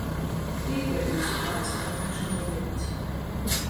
Ды і гэтую сітуацыю немагчыма ўявіць.